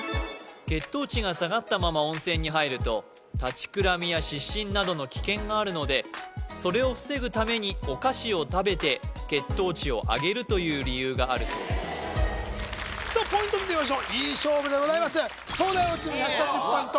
血糖値が下がったまま温泉に入ると立ちくらみや失神などの危険があるのでそれを防ぐためにお菓子を食べて血糖値を上げるという理由があるそうですさあポイント見てみましょういい勝負でございます東大王チーム１３０ポイント